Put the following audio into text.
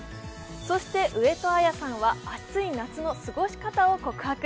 そして上戸彩さんは暑い夏の過ごし方を告白。